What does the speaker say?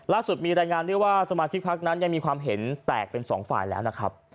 ล่าสุดมีรายงานด้วยว่าสมาชิกพักนั้นยังมีความเห็นแตกเป็นสองฝ่ายแล้วนะครับ